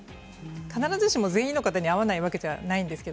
必ずしも全員の方に合わないわけではないですね。